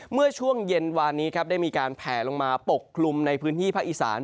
เมื่อช่วงเย็นวานนี้ครับได้มีการแผลลงมาปกคลุมในพื้นที่ภาคอีสาน